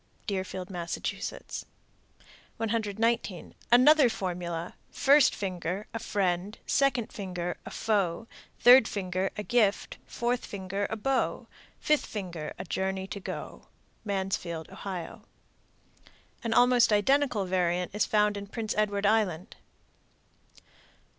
Deerfield, Mass. 119. Another formula: (First finger) a friend, (Second finger) a foe, (Third finger) a gift, (Fourth finger) a beau, (Fifth finger) a journey to go. Mansfield, O. An almost identical variant is found in Prince Edward Island.